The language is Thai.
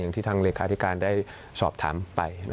อย่างที่ทางเหลียร์คาพิการได้สอบถามไป